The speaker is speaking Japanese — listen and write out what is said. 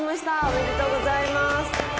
おめでとうございます。